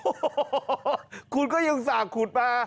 โอ้โฮคุณก็ยังสั่งคุณมา